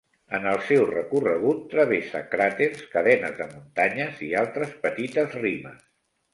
En el seu recorregut travessa cràters, cadenes de muntanyes i altres petites rimes.